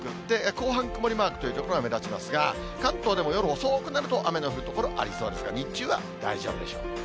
後半曇りマークという所が目立ちますが、関東でも夜遅くなると、雨の降る所ありそうですが、日中は大丈夫でしょう。